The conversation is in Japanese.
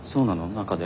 中で？